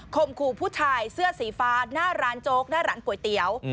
มขู่ผู้ชายเสื้อสีฟ้าหน้าร้านโจ๊กหน้าร้านก๋วยเตี๋ยว